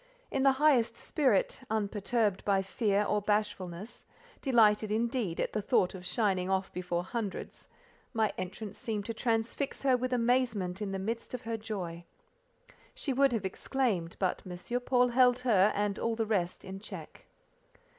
In the highest spirit, unperturbed by fear or bashfulness, delighted indeed at the thought of shining off before hundreds—my entrance seemed to transfix her with amazement in the midst of her joy. She would have exclaimed, but M. Paul held her and all the rest in check.